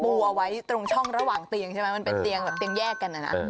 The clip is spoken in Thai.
ปัวไว้ตรงช่องระหว่างเตียงมันเป็นเตียงแยกกัน